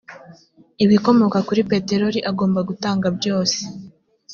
ibikomoka kuri peteroli agomba gutanga byose